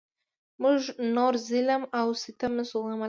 موږ نور ظلم او ستم نشو زغملای.